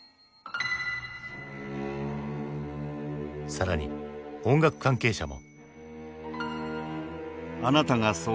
更に音楽関係者も。